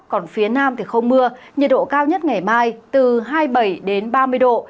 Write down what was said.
còn phía nam không mưa nhiệt độ cao nhất ngày mai từ hai mươi bảy ba mươi độ